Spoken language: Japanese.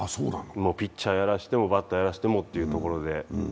ピッチャーやらしてもバッターやらしてもってところで。